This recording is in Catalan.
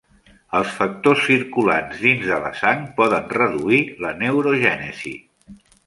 Els factors circulants dins de la sang poden reduir la neurogènesi.